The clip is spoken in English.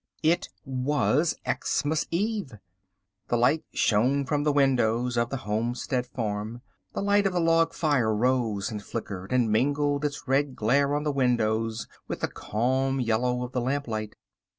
It was Xmas Eve. The light shone from the windows of the homestead farm. The light of the log fire rose and flickered and mingled its red glare on the windows with the calm yellow of the lamplight.